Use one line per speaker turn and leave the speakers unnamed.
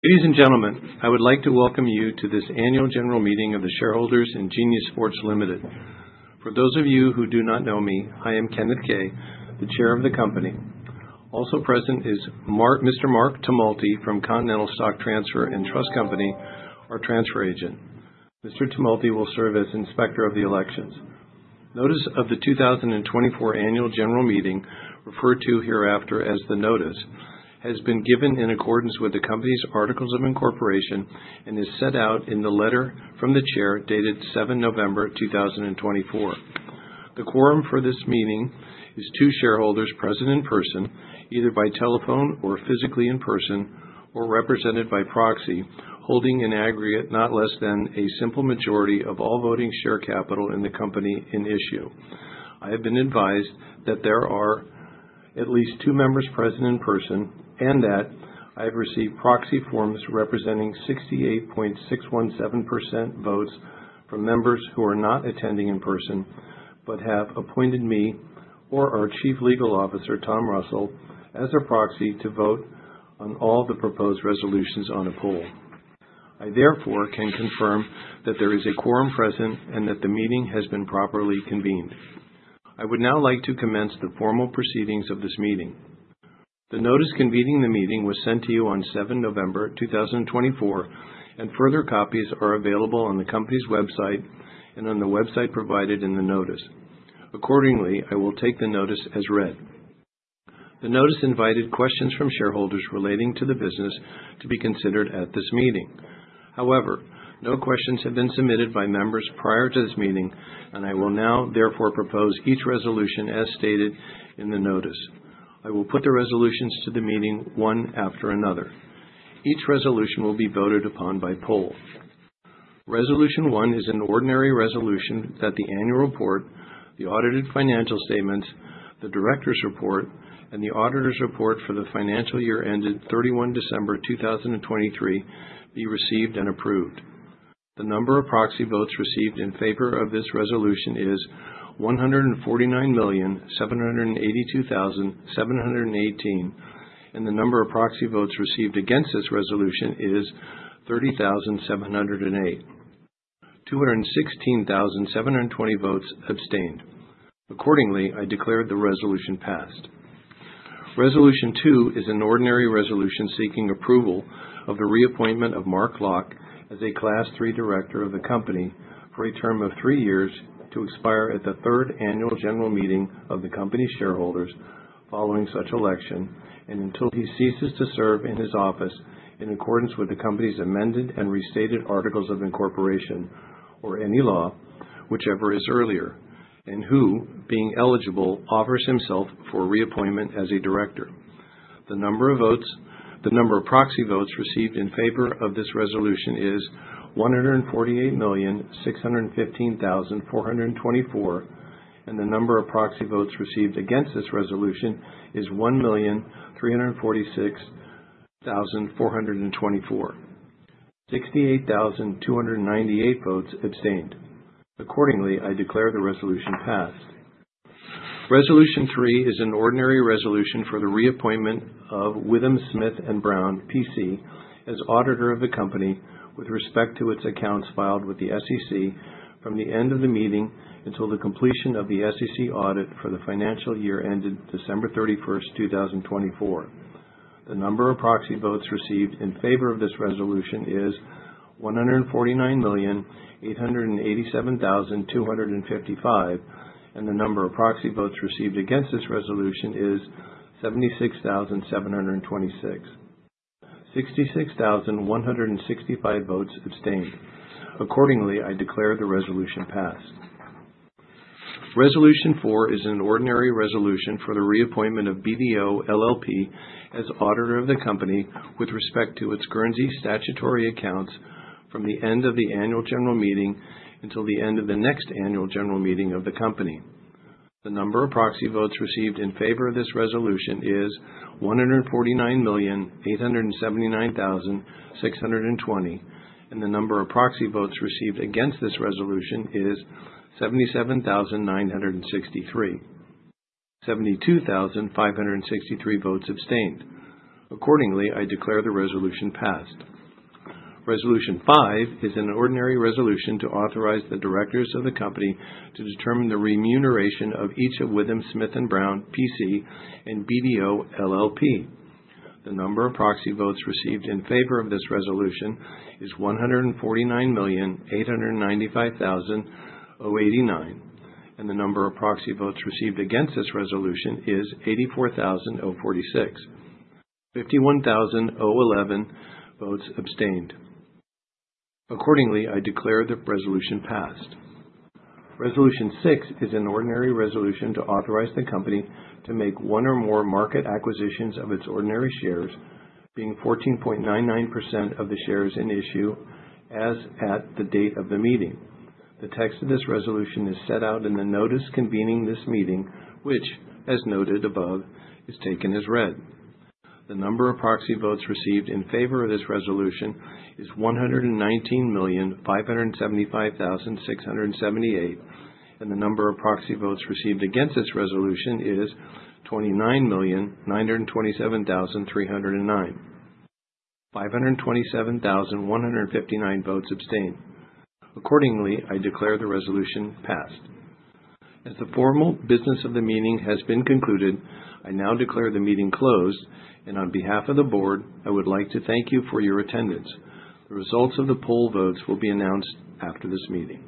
Ladies and gentlemen, I would like to welcome you to this Annual General Meeting of the Shareholders in Genius Sports Limited. For those of you who do not know me, I am Kenneth Kay, the chair of the company. Also present is Mr. Mark Tumulty from Continental Stock Transfer & Trust Company, our transfer agent. Mr. Tumulty will serve as inspector of the elections. Notice of the 2024 annual general meeting, referred to hereafter as the notice, has been given in accordance with the company's articles of incorporation and is set out in the letter from the chair dated 7 November 2024. The quorum for this meeting is two shareholders present in person, either by telephone or physically in person, or represented by proxy, holding an aggregate not less than a simple majority of all voting share capital in the company in issue. I have been advised that there are at least two members present in person and that I have received proxy forms representing 68.617% votes from members who are not attending in person but have appointed me or our Chief Legal Officer, Tom Russell, as a proxy to vote on all the proposed resolutions on a poll. I therefore can confirm that there is a quorum present and that the meeting has been properly convened. I would now like to commence the formal proceedings of this meeting. The notice convening the meeting was sent to you on 7 November 2024, and further copies are available on the company's website and on the website provided in the notice. Accordingly, I will take the notice as read. The notice invited questions from shareholders relating to the business to be considered at this meeting. However, no questions have been submitted by members prior to this meeting, and I will now therefore propose each resolution as stated in the notice. I will put the resolutions to the meeting one after another. Each resolution will be voted upon by poll. Resolution one is an ordinary resolution that the annual report, the audited financial statements, the Directors' report, and the auditor's report for the financial year ended 31 December 2023 be received and approved. The number of proxy votes received in favor of this resolution is 149,782,718, and the number of proxy votes received against this resolution is 30,708, 216,720 votes abstained. Accordingly, I declare the resolution passed. Resolution two is an Ordinary Resolution seeking approval of the reappointment of Mark Locke as a Class III director of the company for a term of three years to expire at the third Annual General Meeting of the company's shareholders following such election and until he ceases to serve in his office in accordance with the company's amended and restated Articles of Incorporation or any law, whichever is earlier, and who, being eligible, offers himself for reappointment as a director. The number of proxy votes received in favor of this resolution is 148,615,424, and the number of proxy votes received against this resolution is 1,346,424. 68,298 votes abstained. Accordingly, I declare the resolution passed. Resolution three is an ordinary resolution for the reappointment of WithumSmith+Brown, PC, as auditor of the company with respect to its accounts filed with the SEC from the end of the meeting until the completion of the SEC audit for the financial year ended December 31, 2024. The number of proxy votes received in favor of this resolution is 149,887,255, and the number of proxy votes received against this resolution is 76,726. 66,165 votes abstained. Accordingly, I declare the resolution passed. Resolution four is an ordinary resolution for the reappointment of BDO LLP as auditor of the company with respect to its current statutory accounts from the end of the annual general meeting until the end of the next annual general meeting of the company. The number of proxy votes received in favor of this resolution is 149,879,620, and the number of proxy votes received against this resolution is 77,963, and 72,563 votes abstained. Accordingly, I declare the resolution passed. Resolution five is an ordinary resolution to authorize the directors of the company to determine the remuneration of each of WithumSmith+Brown, PC, and BDO LLP. The number of proxy votes received in favor of this resolution is 149,895,089, and the number of proxy votes received against this resolution is 84,046, and 51,011 votes abstained. Accordingly, I declare the resolution passed. Resolution six is an ordinary resolution to authorize the company to make one or more market acquisitions of its ordinary shares, being 14.99% of the shares in issue as at the date of the meeting. The text of this resolution is set out in the notice convening this meeting, which, as noted above, is taken as read. The number of proxy votes received in favor of this resolution is 119,575,678, and the number of proxy votes received against this resolution is 29,927,309. 527,159 votes abstained. Accordingly, I declare the resolution passed. As the formal business of the meeting has been concluded, I now declare the meeting closed, and on behalf of the board, I would like to thank you for your attendance. The results of the poll votes will be announced after this meeting.